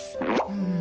うん。